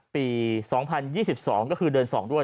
ปี๒๐๒๒ก็คือเดือน๒ด้วย